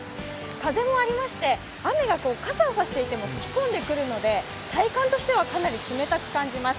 風もありまして、雨が傘を差していても吹き込んでくるので体感としてはかなり冷たく感じます。